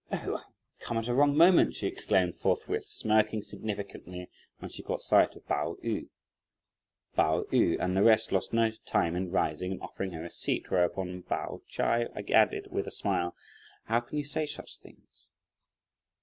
"Oh, I come at a wrong moment!" she exclaimed forthwith, smirking significantly when she caught sight of Pao yü. Pao yü and the rest lost no time in rising and offering her a seat, whereupon Pao Ch'ai added with a smile, "How can you say such things?"